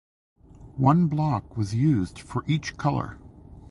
One block was used for each colour.